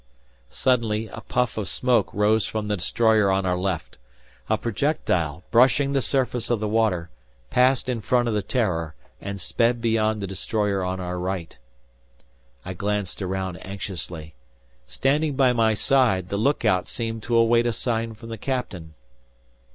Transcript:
Suddenly, a puff of smoke rose from the destroyer on our left. A projectile, brushing the surface of the water, passed in front of the "Terror," and sped beyond the destroyer on our right. I glanced around anxiously. Standing by my side, the lookout seemed to await a sign from the captain.